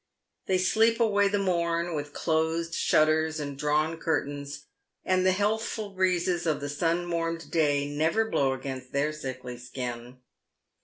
They sleep away the morn with closed shutters and drawn curtains, and the healthful breezes of the sun warmed day never blow against their sickly skin.